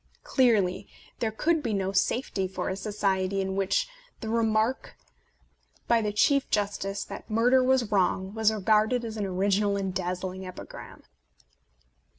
Clearly, there could be no safety for a society in which the remark by A Defence of Penny Dreadfuls the Chief Justice that murder was wrong was regarded as an original and dazzling epigram.